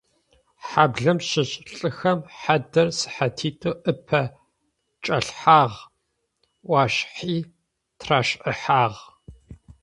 Хьаблэм щыщ лӏыхэм хьадэр сыхьатитӏу ыпэ чӏалъхьагъ, ӏуашъхьи трашӏыхьагъ.